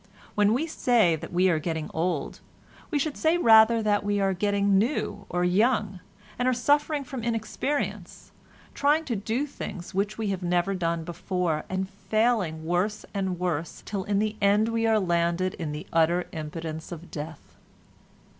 When we say that we are getting old, we should say rather that we are getting new or young, and are suffering from inexperience; trying to do things which we have never done before, and failing worse and worse, till in the end we are landed in the utter impotence of death."